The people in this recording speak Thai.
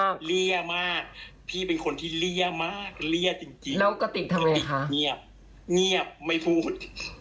กะติกเงียบไม่พูด